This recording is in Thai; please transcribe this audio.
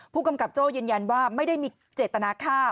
ผู้กำกับโจ้ยืนยันว่าไม่ได้มีเจตนาฆ่า